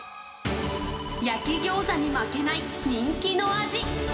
焼きギョーザに負けない人気